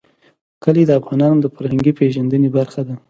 کلي د افغانانو د فرهنګي پیژندنې برخه ده.